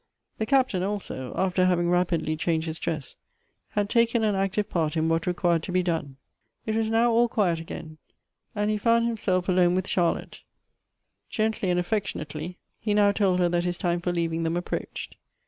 The Captain also, after having rapidly changed his dress, had taken an active part in what required to be done. It was now all quiet again, and he found himself alone with Charlotte — gently and aflfectionately he now Elective Affinities. 127 told her that his time for leaving them approached.